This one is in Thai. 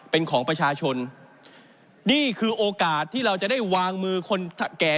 เป็นของประชาชนนี่คือโอกาสที่เราจะได้วางมือคนแก่